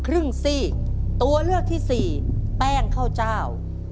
ครึ่งซีกตัวเลือกที่สี่แป้งข้าวเจ้า